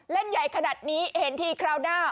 เล่นใหญ่ขนาดนี้เห็นทีคราวหน้า